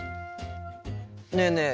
ねえねえ